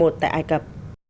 tại ai cập